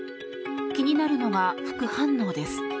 気になるのが副反応です。